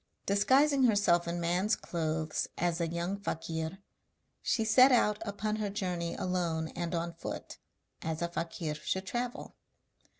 Disguising herself in man's clothes as a young fakir, she set out upon her journey alone and on foot, as a fakir should travel.